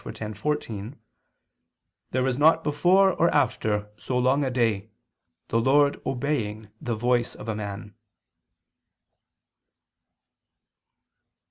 10:14): "There was not before or after so long a day, the Lord obeying the voice of a man."